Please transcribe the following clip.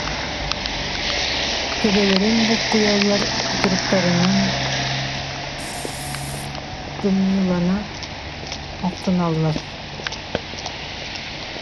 Төбөлөрүн булкуйаллар, кутуруктарынан кымньыылана охсуналлар.